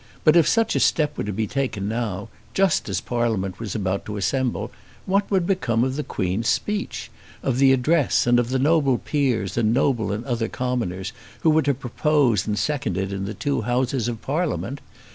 But if such a step were to be taken now, just as Parliament was about to assemble, what would become of the Queen's speech, of the address, and of the noble peers and noble and other commoners who were to propose and second it in the two Houses of Parliament?